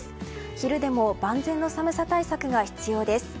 昼でも万全の寒さ対策が必要です。